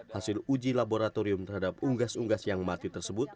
hasil uji laboratorium terhadap unggas unggas yang mati tersebut